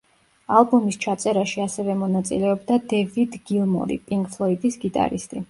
ალბომის ჩაწერაში ასევე მონაწილეობდა დევიდ გილმორი, პინკ ფლოიდის გიტარისტი.